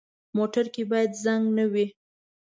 موټر کې باید زنګ نه وي.